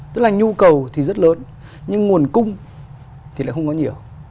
tức là nhu cầu thì rất lớn nhưng nguồn cung thì lại không có nhiều